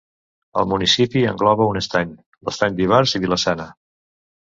El municipi engloba un estany, l'Estany d'Ivars i Vila-sana.